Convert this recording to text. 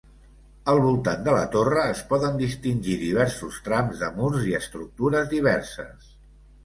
Al voltant de la torre es poden distingir diversos trams de murs i estructures diverses.